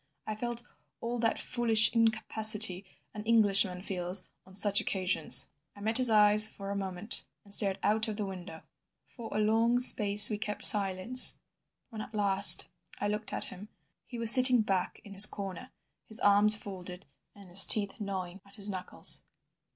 I felt all that foolish incapacity an Englishman feels on such occasions. I met his eyes for a moment, and then stared out of the window. For a long space we kept silence. When at last I looked at him he was sitting back in his corner, his arms folded, and his teeth gnawing at his knuckles.